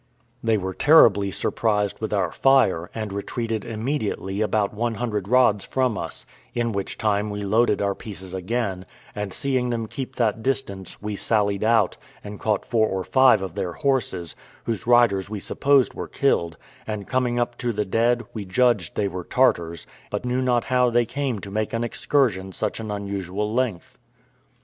They were terribly surprised with our fire, and retreated immediately about one hundred rods from us; in which time we loaded our pieces again, and seeing them keep that distance, we sallied out, and caught four or five of their horses, whose riders we supposed were killed; and coming up to the dead, we judged they were Tartars, but knew not how they came to make an excursion such an unusual length.